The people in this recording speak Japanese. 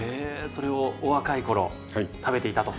それをお若い頃食べていたと。